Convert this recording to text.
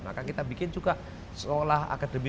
maka kita bikin juga sekolah akademi